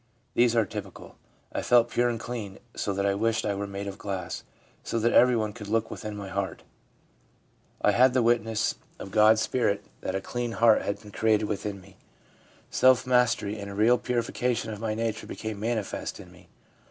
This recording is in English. These are typical :' I felt pure and clean so that I wished I were made of glass, so that everyone could look within my heart/ ' I had the witness of God's spirit that a clean heart had been created within me/ 1 Self mastery and a real purification of my nature became manifest in me.'